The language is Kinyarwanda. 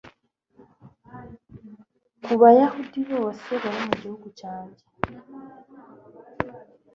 ku bayahudi bose bari mu gihugu cyanjye